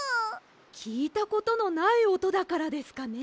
きいたことのないおとだからですかね。